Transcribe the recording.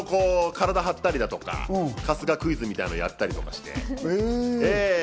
何かいろいろ体張ったりだとか、春日クイズみたいなのやったりとかして。